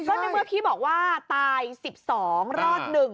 ก็ในเมื่อพี่บอกว่าตาย๑๒รอด๑